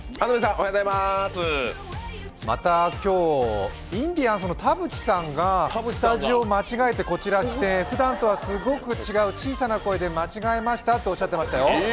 また今日、インディアンスの田渕さんがスタジオ間違えてこちら来てふだんとはすごく違う小さな声で、「間違えました」とおっしゃってましたよ。